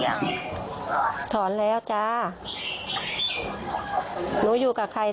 บอกได้ปะหนูอยู่กับใคร